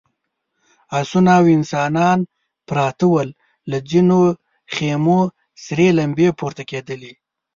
آسونه او انسانان پراته ول، له ځينو خيمو سرې لمبې پورته کېدلې….